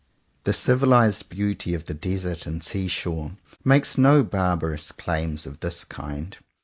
The civilized beauty of the desert and sea shore makes no barbarous claims of this kind.